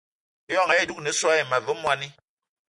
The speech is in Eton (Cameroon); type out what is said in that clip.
Ijon ayì dúgne so àyi ma ve mwani